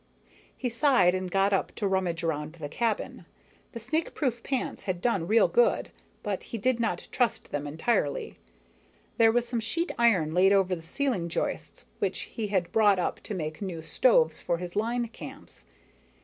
He sighed and got up to rummage around the cabin. The snakeproof pants had done real good, but he did not trust them entirely. There was some sheet iron laid over the ceiling joists, which he had brought up to make new stoves for his line camps.